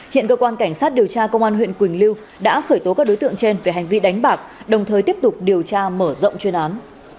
hiện cơ quan cảnh sát điều tra công an huyện quỳnh lưu đã khởi tố các đối tượng trên về hành vi đánh bạc đồng thời tiếp tục điều tra mở rộng chuyên án